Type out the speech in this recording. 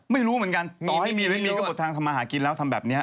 ไม่รู้เหมือนกันต่อให้มีหรือไม่มีก็หมดทางทำมาหากินแล้วทำแบบนี้ฮะ